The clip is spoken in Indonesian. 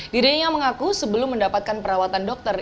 dirinya mengaku sebelum mendapatkan perawatan dokter